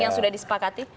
yang sudah disepakati